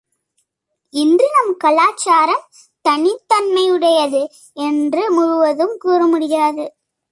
இன்று நம் கலாச்சாரம் தனித்தன்மை உடையது என்று முழுவதும் கூறமுடியாது.